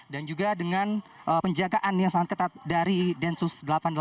dan juga dengan penjagaan yang sangat ketat dari densus delapan puluh delapan